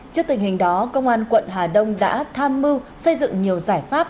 trước tình hình đó công an quận hà đông đã tham mưu xây dựng nhiều giải pháp